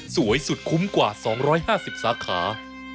สวยสุดคุ้มกว่า๒๕๐สาขา